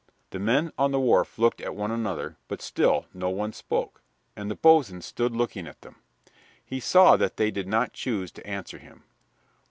The men on the wharf looked at one another, but still no one spoke, and the boatswain stood looking at them. He saw that they did not choose to answer him.